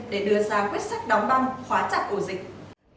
để đưa ra quyết sắc đóng băng khóa chặt của dịch